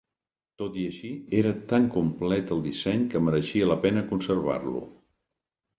Tot i així, era tan complet el disseny que mereixia la pena conservar-lo.